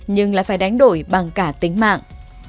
nhưng lại phải đánh đổi bằng cả tính mạng